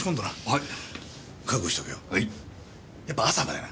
はい。